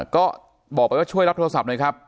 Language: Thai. ก็บอกไปว่าช่วยรับโทรศัพท์หน่อยครับ